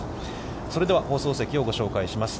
それでは、放送席をご紹介します。